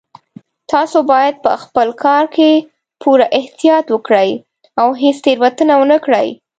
تاسو باید په خپل کار کې پوره احتیاط وکړئ او هیڅ تېروتنه ونه کړئ